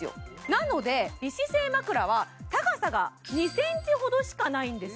なので美姿勢まくらは高さが２ｃｍほどしかないんです